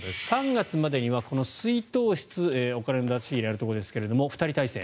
３月までにはこの出納室お金の出し入れがあるところですが２人体制。